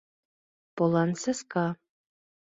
Полан саска